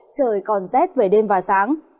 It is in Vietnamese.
trời còn rét về đêm và sáng